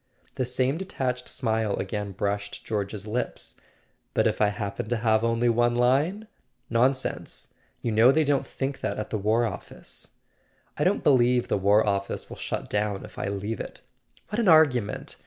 The same detached smile again brushed George's lips. "But if I happen to have only one line?" "Nonsense! You know they don't think that at the War Office." "I don't believe the War Office will shut down if I leave it." "What an argument!